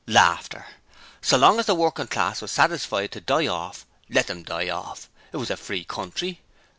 So long as the workin' class was satisfied to die orf let 'em die orf! It was a free country.